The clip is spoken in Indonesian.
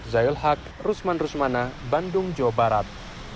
zahil haq rusman rusmana bandung jawa barat